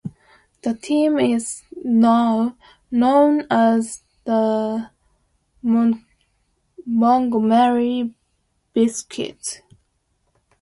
The team is now known as the Montgomery Biscuits.